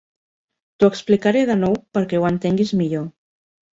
T'ho explicaré de nou perquè ho entenguis millor.